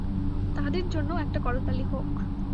তাদের জন্যও একটা করতালি হোক।